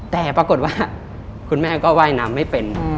แต่ปรากฏว่าคุณแม่ก็ว่ายน้ำไม่เป็น